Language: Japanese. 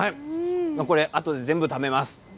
あとで全部食べます。